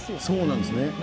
そうなんですね。